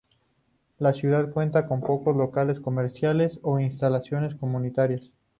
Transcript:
La ciudad cuenta con pocos locales comerciales o instalaciones comunitarias.